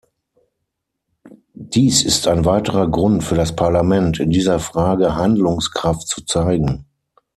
Dies ist ein weiterer Grund für das Parlament, in dieser Frage Handlungskraft zu zeigen.